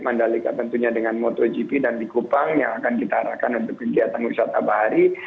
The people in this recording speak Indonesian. mandalika tentunya dengan motogp dan likupang yang akan kita arahkan untuk kegiatan wisata bahari